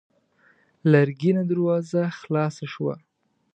لرګينه دروازه خلاصه شوه.